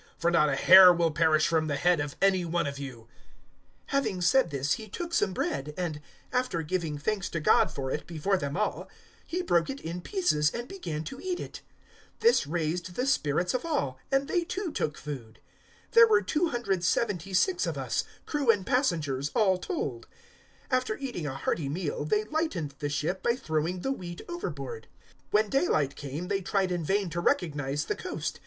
For not a hair will perish from the head of any one of you." 027:035 Having said this he took some bread, and, after giving thanks to God for it before them all, he broke it in pieces and began to eat it. 027:036 This raised the spirits of all, and they too took food. 027:037 There were 276 of us, crew and passengers, all told. 027:038 After eating a hearty meal they lightened the ship by throwing the wheat overboard. 027:039 When daylight came, they tried in vain to recognise the coast.